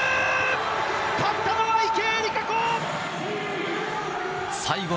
勝ったのは池江璃花子！